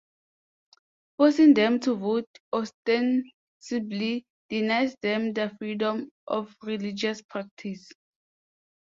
Forcing them to vote ostensibly denies them their freedom of religious practice.